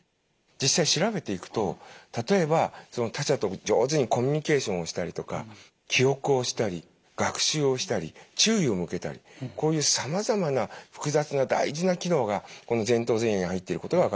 実際調べていくと例えば他者と上手にコミュニケーションをしたりとか記憶をしたり学習をしたり注意を向けたりこういうさまざまな複雑な大事な機能がこの前頭前野に入っていることが分かっています。